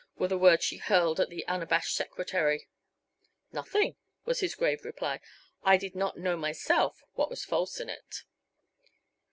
were the words she hurled at the unabashed secretary. "Nothing," was his grave reply. "I did not know myself what was false in it."